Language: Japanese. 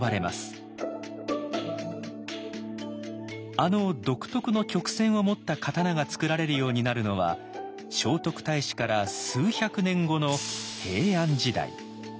あの独特の曲線を持った刀が作られるようになるのは聖徳太子から数百年後の平安時代。